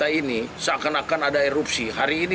tapi saya juga ingin menjelaskan bahwa di dunia yang kami menemani